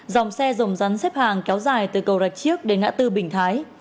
dòng xe rồng rắn xếp hàng kéo dài từ cầu rạch chiếc đến ngã tư bình thái